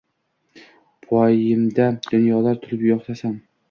Poyimda dunyolar tulib yotsaxam